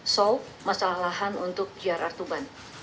solve masalah lahan untuk grr tuban